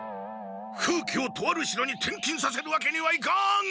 風鬼をとある城に転勤させるわけにはいかん！